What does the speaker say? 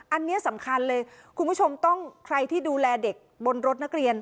อันนี้สำคัญเลยคุณผู้ชมต้องใครที่ดูแลเด็กบนรถนักเรียน